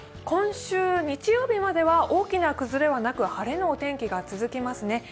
今週日曜日までは大きな崩れはなく、晴れのお天気が続きますね。